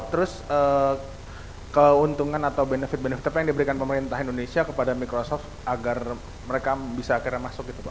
terus keuntungan atau benefit benefit apa yang diberikan pemerintah indonesia kepada microsoft agar mereka bisa akhirnya masuk gitu pak